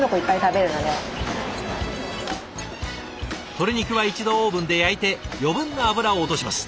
鶏肉は一度オーブンで焼いて余分な脂を落とします。